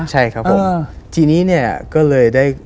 ใช่ครับผมทีนี้เนี่ยก็เลยได้